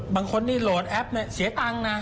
บางคนนี่โหลดแอปเนี่ยเสียตังค์นะ